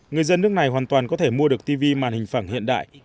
người dân nước này hoàn toàn có thể mua được tv màn hình phẳng hiện đại